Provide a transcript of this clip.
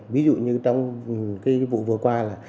ví dụ như trong vụ vừa qua